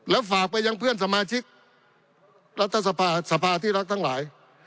แล้วฝากไปยังเพื่อนสมาชิกรัฐสภาที่รักทั้งหลาย